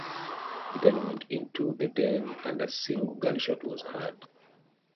He then went into the den and a single gunshot was heard.